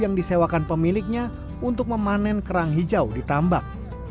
murni juga menyesewakan pemiliknya untuk memanen kerang hijau di tambak